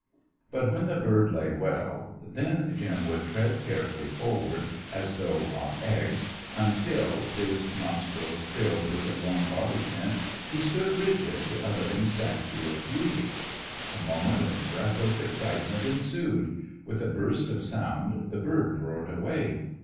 But when the bird lay well, then Jim would tread carefully forward as though on eggs, until, his nostrils filled with the warm body scent, he stood rigid, a living statue of beauty. A moment of breathless excitement ensued. With a burst of sound the bird roared away.